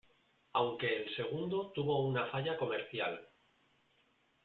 Aunque el segundo tuvo una falla comercial.